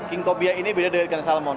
king kobia ini beda dari ikan salmon